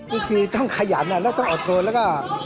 ก็คือต้องขยันแล้วต้องอดทนแล้วก็